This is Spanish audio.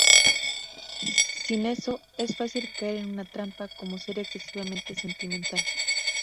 Sin eso, es fácil caer en una trampa, como ser excesivamente sentimental.